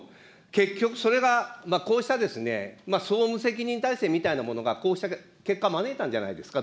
結局それが、こうした総務責任体制みたいなものがこうした結果を招いたんじゃないですか。